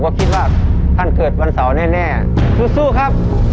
๕ผมก็คิดว่าท่านเกิดวันเสาร์แน่คุ้นซู่ครับ